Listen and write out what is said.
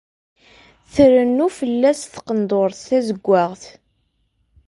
Trennu fell-as tqendurt tazewwaɣt.